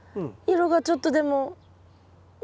色がちょっとでも緑。